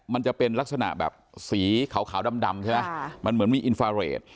มันจะเป็นลักษณะแบบสีขาวดำใช่ไหมมันเหมือนมีอินฟาเรท